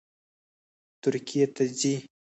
ترکیې ته ځي